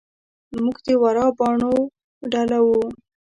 موږ د ورا باڼو ډله وو.